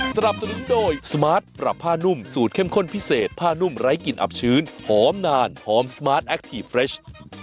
สนับสนุนโดยสมาร์ทปรับผ้านุ่มสูตรเข้มข้นพิเศษผ้านุ่มไร้กลิ่นอับชื้นหอมนานหอมสมาร์ทแคคทีฟเฟรช